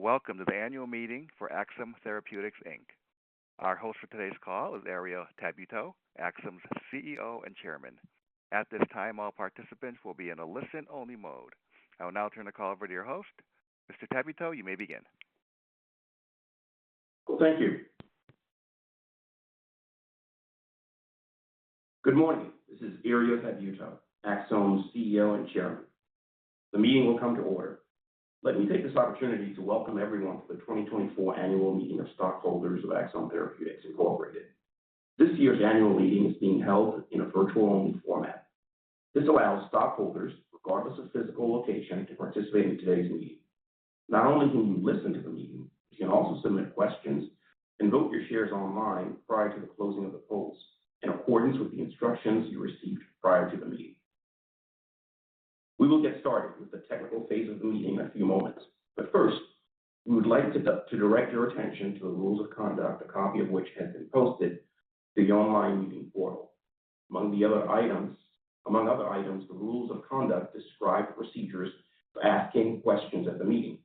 Welcome to the annual meeting for Axsome Therapeutics, Inc. Our host for today's call is Herriot Tabuteau, Axsome's CEO and Chairman. At this time, all participants will be in a listen-only mode. I will now turn the call over to your host. Mr. Tabuteau, you may begin. Well, thank you. Good morning. This is Herriot Tabuteau, Axsome's CEO and Chairman. The meeting will come to order. Let me take this opportunity to welcome everyone to the 2024 annual meeting of stockholders of Axsome Therapeutics Incorporated. This year's annual meeting is being held in a virtual-only format. This allows stockholders, regardless of physical location, to participate in today's meeting. Not only can you listen to the meeting, you can also submit questions and vote your shares online prior to the closing of the polls, in accordance with the instructions you received prior to the meeting. We will get started with the technical phase of the meeting in a few moments. But first, we would like to to direct your attention to the rules of conduct, a copy of which has been posted to the online meeting portal. Among other items, the rules of conduct describe procedures for asking questions at the meeting.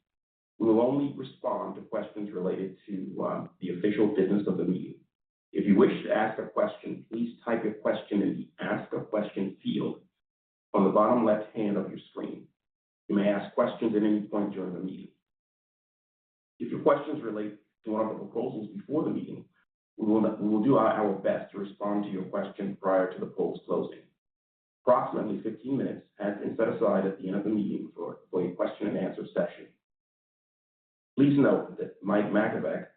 We will only respond to questions related to the official business of the meeting. If you wish to ask a question, please type your question in the Ask a Question field on the bottom left-hand of your screen. You may ask questions at any point during the meeting. If your questions relate to one of the proposals before the meeting, we will, we will do our best to respond to your question prior to the poll's closing. Approximately 15 minutes has been set aside at the end of the meeting for a question and answer session. Please note that Mike Makovec,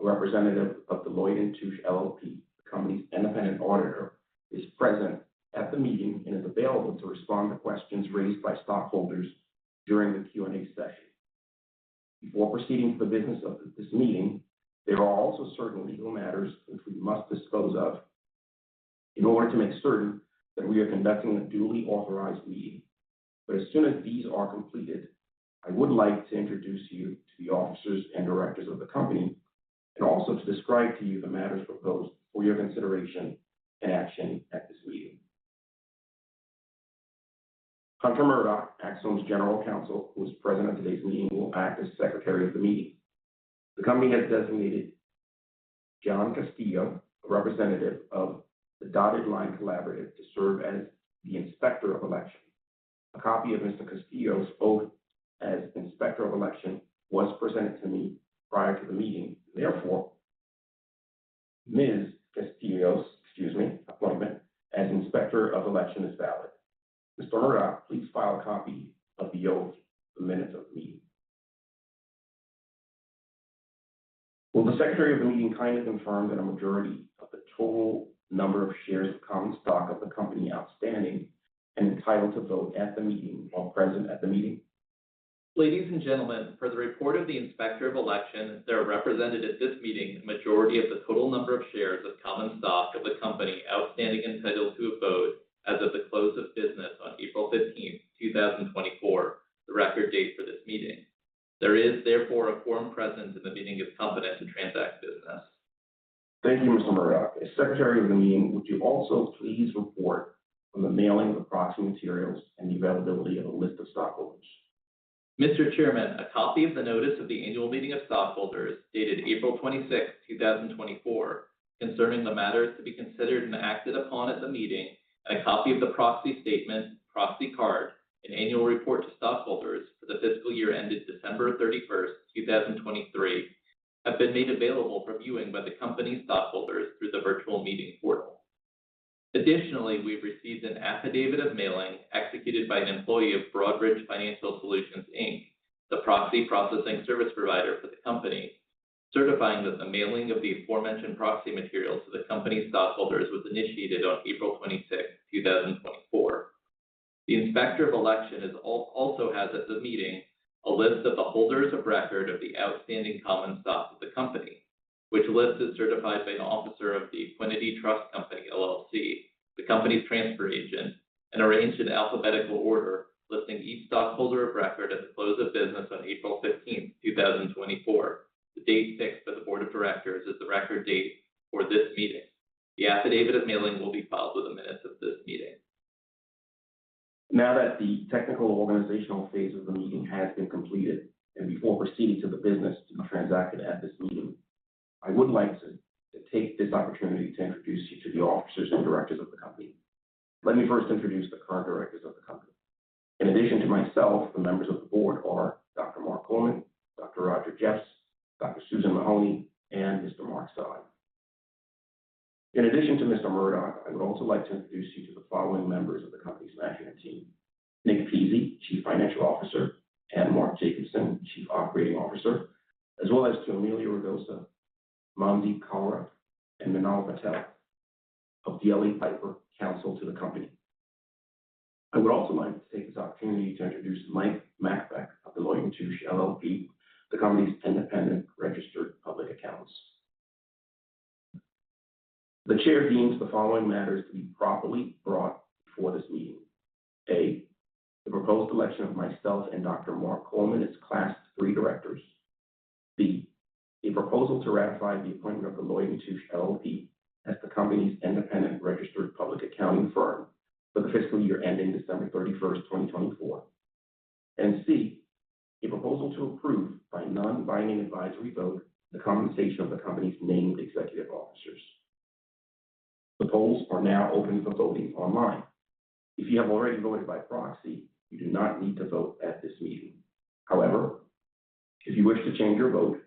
a representative of Deloitte & Touche LLP, the company's independent auditor, is present at the meeting and is available to respond to questions raised by stockholders during the Q&A session. Before proceeding to the business of this meeting, there are also certain legal matters which we must dispose of in order to make certain that we are conducting a duly authorized meeting. But as soon as these are completed, I would like to introduce you to the officers and directors of the company, and also to describe to you the matters proposed for your consideration and action at this meeting. Hunter Murdock, Axsome's General Counsel, who is present at today's meeting, will act as Secretary of the meeting. The company has designated John Castillo, a representative of The Dotted Line Collaborations, to serve as the Inspector of Election. A copy of Mr. Castillo's oath as Inspector of Election was presented to me prior to the meeting. Therefore, Mr. Castillo's, excuse me, appointment as Inspector of Election is valid. Mr. Murdock, please file a copy of the oath, the minutes of the meeting. Will the Secretary of the meeting kindly confirm that a majority of the total number of shares of common stock of the company outstanding and entitled to vote at the meeting were present at the meeting? Ladies and gentlemen, for the report of the Inspector of Elections, there are represented at this meeting the majority of the total number of shares of common stock of the company outstanding, entitled to a vote as of the close of business on April 15, 2024, the record date for this meeting. There is, therefore, a quorum present, and the meeting is competent to transact business. Thank you, Mr. Murdock. As Secretary of the meeting, would you also please report on the mailing of proxy materials and the availability of a list of stockholders? Mr. Chairman, a copy of the notice of the Annual Meeting of Stockholders, dated April 26, 2024, concerning the matters to be considered and acted upon at the meeting, and a copy of the proxy statement, proxy card, and annual report to stockholders for the fiscal year ended December 31, 2023, have been made available for viewing by the company's stockholders through the virtual meeting portal. Additionally, we've received an affidavit of mailing executed by an employee of Broadridge Financial Solutions, Inc, the proxy processing service provider for the company, certifying that the mailing of the aforementioned proxy materials to the company's stockholders was initiated on April 26, 2024. The Inspector of Election is also has at the meeting a list of the holders of record of the outstanding common stock of the company, which list is certified by an officer of the Equiniti Trust Company, LLC, the company's transfer agent, and arranged in alphabetical order, listing each stockholder of record at the close of business on April 15, 2024, the date fixed by the Board of Directors as the record date for this meeting. The affidavit of mailing will be filed with the minutes of this meeting. Now that the technical organizational phase of the meeting has been completed, and before proceeding to the business to be transacted at this meeting, I would like to take this opportunity to introduce you to the officers and directors of the company. Let me first introduce the current directors of the company. In addition to myself, the members of the board are Dr. Mark Coleman, Dr. Roger Jeffs, Dr. Susan Mahony, and Mr. Mark Saad. In addition to Mr. Murdock, I would also like to introduce you to the following members of the company's management team: Nick Pizzie, Chief Financial Officer, and Mark Jacobson, Chief Operating Officer, as well as to Emilio Ragosa, Mandeep Kalra, and Manal Patel of the DLA Piper, counsel to the company. I would also like to take this opportunity to introduce Mike Makovec of Deloitte & Touche LLP, the company's independent registered public accounting firm. The chair deems the following matters to be properly brought before this meeting: A, the proposed election of myself and Dr. Mark Coleman as Class III directors. B, a proposal to ratify the appointment of Deloitte & Touche LLP as the company's independent registered public accounting firm for the fiscal year ending December 31, 2024. And C, a proposal to approve by non-binding advisory vote, the compensation of the company's named executive officers. The polls are now open for voting online. If you have already voted by proxy, you do not need to vote at this meeting. However, if you wish to change your vote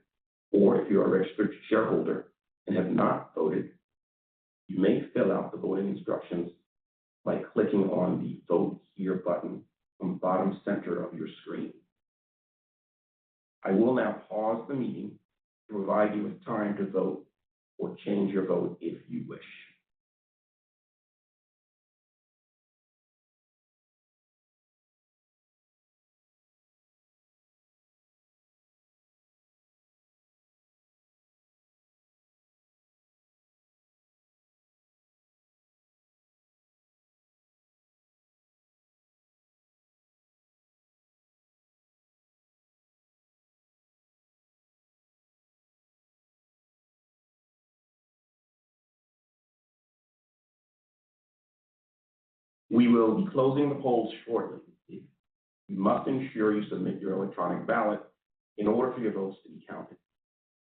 or if you are a registered shareholder and have not voted, you may fill out the voting instructions by clicking on the Vote Here button on the bottom center of your screen. I will now pause the meeting to provide you with time to vote or change your vote if you wish. We will be closing the polls shortly. You must ensure you submit your electronic ballot in order for your votes to be counted.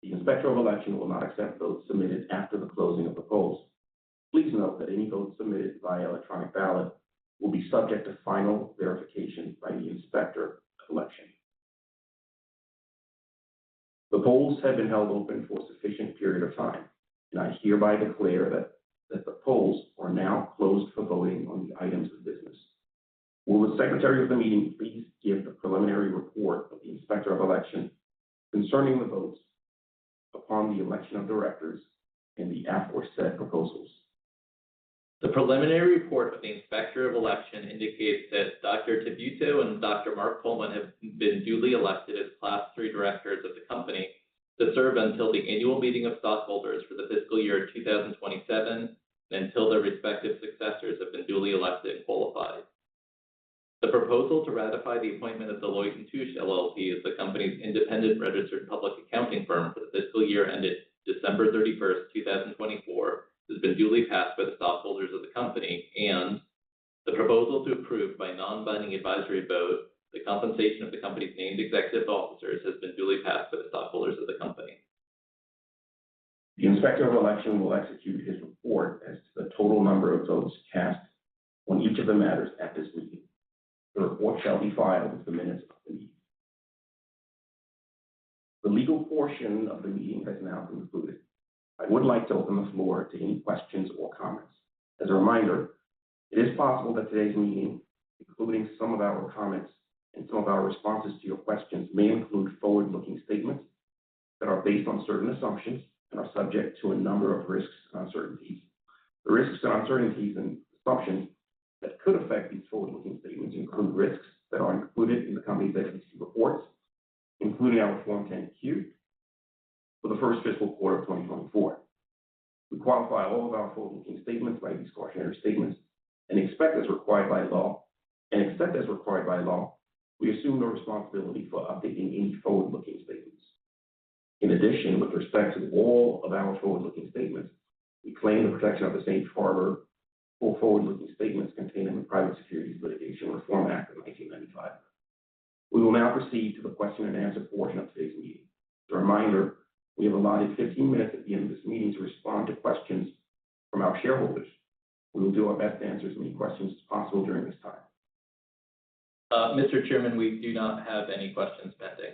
The Inspector of Election will not accept votes submitted after the closing of the polls. Please note that any votes submitted by electronic ballot will be subject to final verification by the Inspector of Election. The polls have been held open for a sufficient period of time, and I hereby declare that the polls are now closed for voting on the items of business. Will the Secretary of the meeting please give the preliminary report of the Inspector of Election concerning the votes upon the election of directors and the aforesaid proposals? The preliminary report of the Inspector of Election indicates that Dr. Tabuteau and Dr. Mark Coleman have been duly elected as Class three directors of the company to serve until the annual meeting of stockholders for the fiscal year 2027, until their respective successors have been duly elected and qualified. The proposal to ratify the appointment of Deloitte & Touche LLP as the company's independent registered public accounting firm for the fiscal year ended December 31, 2024, has been duly passed by the stockholders of the company. The proposal to approve by non-binding advisory vote, the compensation of the company's named executive officers, has been duly passed by the stockholders of the company. The Inspector of Election will execute his report as to the total number of votes cast on each of the matters at this meeting. The report shall be filed with the minutes of the meeting. The legal portion of the meeting has now concluded. I would like to open the floor to any questions or comments. As a reminder, it is possible that today's meeting, including some of our comments and some of our responses to your questions, may include forward-looking statements that are based on certain assumptions and are subject to a number of risks and uncertainties. The risks, uncertainties, and assumptions that could affect these forward-looking statements include risks that are included in the company's SEC reports, including our Form 10-Q for the first fiscal quarter of 2024. We qualify all of our forward-looking statements by these cautionary statements and, except as required by law, we assume no responsibility for updating any forward-looking statements. In addition, with respect to all of our forward-looking statements, we claim the protection of the safe harbor for forward-looking statements contained in the Private Securities Litigation Reform Act of 1995. We will now proceed to the question and answer portion of today's meeting. As a reminder, we have allotted 15 minutes at the end of this meeting to respond to questions from our shareholders. We will do our best to answer as many questions as possible during this time. Mr. Chairman, we do not have any questions pending.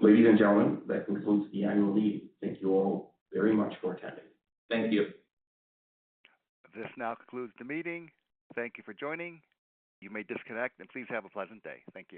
Ladies and gentlemen, that concludes the annual meeting. Thank you all very much for attending. Thank you. This now concludes the meeting. Thank you for joining. You may disconnect and please have a pleasant day. Thank you.